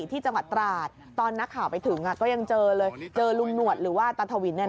ที่จังหวัดตราดตอนนักข่าวไปถึงก็ยังเจอเลยเจอลุงหนวดหรือว่าตาถวิน